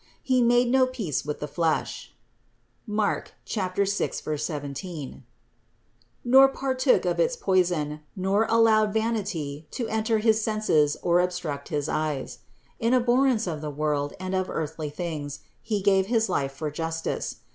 He made no peace with the flesh (Mark 6, 17), nor partook of its poison, nor allowed vanity to enter his senses nor obstruct his eyes; in abhorrence of the world and of worldly things, he gave his life for justice.